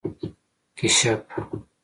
🐢 کېشپ